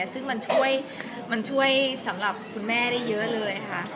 ซึ่งมันช่วยมันช่วยสำหรับคุณแม่ได้เยอะเลยค่ะ